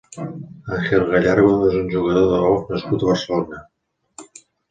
Ángel Gallardo és un jugador de golf nascut a Barcelona.